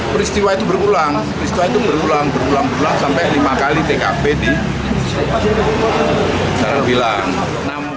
peristiwa itu berulang peristiwa itu berulang berulang berulang sampai lima kali tkp di karangpilang